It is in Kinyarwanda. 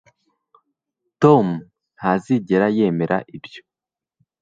tom ntazigera yemera ibyo